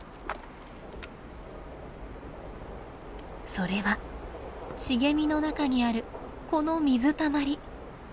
それは茂みの中にあるこの水たまり。